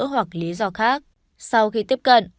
hoặc lý do khác sau khi tiếp cận